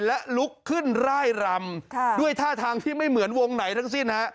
และลุกขึ้นร่ายรำด้วยท่าทางที่ไม่เหมือนวงไหนทั้งสิ้นฮะ